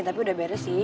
tapi udah beres sih